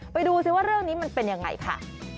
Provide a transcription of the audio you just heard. ไปดูซิว่าเรื่องนี้มันเป็นยังไงค่ะ